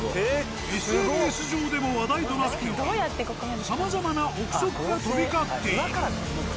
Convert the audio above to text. ＳＮＳ上でも話題となっておりさまざまな臆測が飛び交っている。